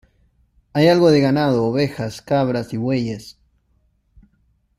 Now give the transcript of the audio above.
Hay algo de ganado: ovejas, cabras y bueyes.